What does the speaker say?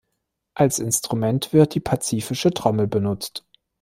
Als Instrument wird die pazifische Trommel benutzt.